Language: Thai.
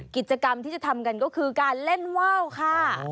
กิจกรรมที่จะทำกันก็คือการเล่นว่าวค่ะ